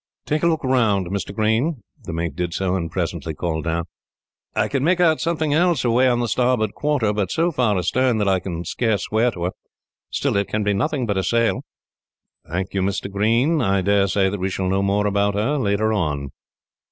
"Take a look round, Mr. Green." The mate did so, and presently called down: "I can make out something else away on the starboard quarter, but so far astern that I can scarce swear to her. Still, it can be nothing but a sail." "Thank you, Mr. Green. I daresay that we shall know more about her, later on."